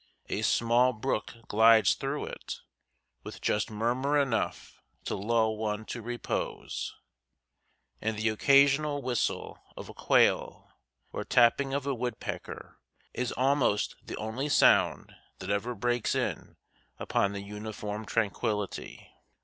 A small brook glides through it, with just murmur enough to lull one to repose, and the occasional whistle of a quail or tapping of a woodpecker is almost the only sound that ever breaks in upon the uniform tranquillity.